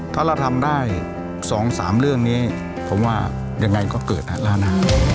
ถ้าเราทำได้๒๓เรื่องนี้ผมว่ายังไงก็เกิดแล้วนะ